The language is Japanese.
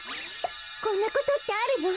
こんなことってあるの？